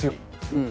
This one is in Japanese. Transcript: うん。